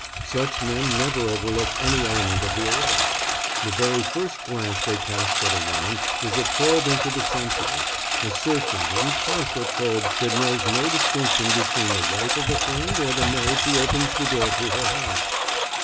Such men never overlook any element of the erotic. The very first glance they cast at a woman is a probe into the sensual, a searching, impartial probe that knows no distinction between the wife of a friend or the maid who opens the door to her house.